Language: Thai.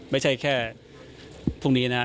ไม่ใช่แค่พรุ่งนี้นะ